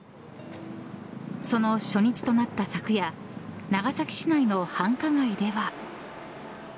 その初日となった昨夜長崎市内の繁華街では。